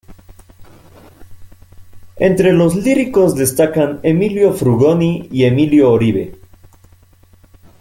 Entre los líricos destacan Emilio Frugoni y Emilio Oribe.